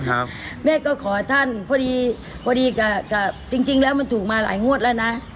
ครับแม่ก็ขอท่านพอดีพอดีกับกับจริงจริงแล้วมันถูกมาหลายงวดแล้วนะ